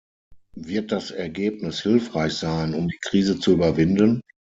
Wird das Ergebnis hilfreich sein, um die Krise zu überwinden?